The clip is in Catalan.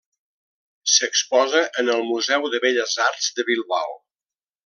S'exposa en el Museu de Belles Arts de Bilbao.